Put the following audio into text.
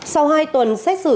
sau hai tuần xét xử